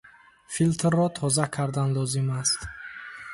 Филтрро тоза кардан лозим аст.